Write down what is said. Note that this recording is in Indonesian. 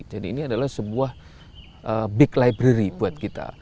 jadi ini adalah sebuah big library buat kita